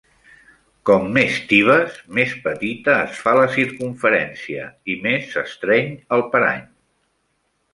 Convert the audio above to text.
Com més tibes, més petita es fa la circumferència i més s'estreny el parany.